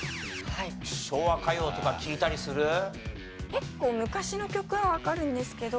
結構昔の曲はわかるんですけど。